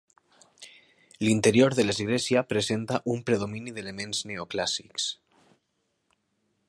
L'interior de l'església presenta un predomini d'elements neoclàssics.